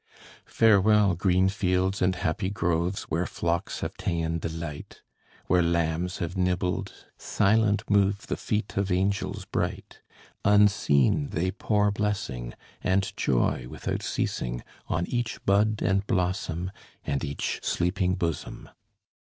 Farewell, green fields and happy groves Where flocks have ta'en delight; Where lambs have nibbled, silent move The feet of angels bright; Unseen they pour blessing, And joy without ceasing, On each bud and blossom, And each sleeping bosom.